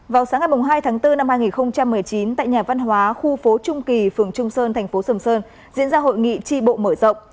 vào sáng hai tháng bốn năm hai nghìn một mươi chín tại nhà văn hóa khu phố trung kỳ phường trung sơn tp sừng sơn diễn ra hội nghị tri bộ mở rộng